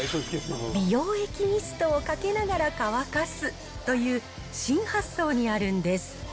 美容液ミストをかけながら乾かすという新発想にあるんです。